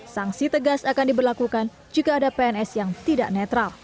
sanksi tegas akan diberlakukan jika ada pns yang tidak netral